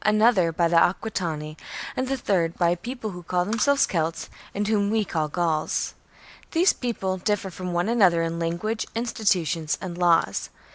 another by the Aquitani, and the third by a people who call themselves Celts and whom we call Gauls.^ These peoples differ from one another in language, institutions, and laws.